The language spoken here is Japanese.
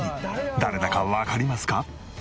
誰だかわかりますか？